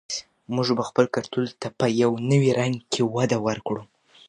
موږ به خپل کلتور ته په نوي رنګ کې وده ورکړو.